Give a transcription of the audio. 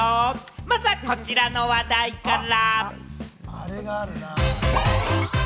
まずはこちらの話題から。